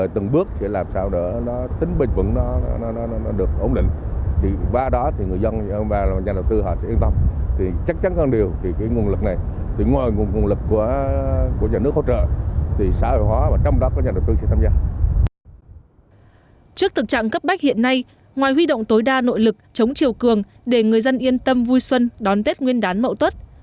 trước thực trạng cấp bách hiện nay ngoài huy động tối đa nội lực chống chiều cường để người dân yên tâm vui xuân đón tết nguyên đán mậu tuất